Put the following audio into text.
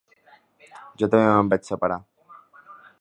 Jo també me'n vaig separar.